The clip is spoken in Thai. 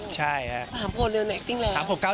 ใช่ครับ๓ครบเดือนเรียนแอคติ้งแล้ว